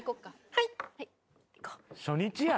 はい。